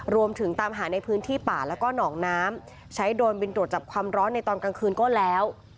รวมถึงตามหาในพื้นที่ป่าแล้วก็หนองน้ำใช้โดรนบินตรวจจับความร้อนในตอนกลางคืนก็แล้ว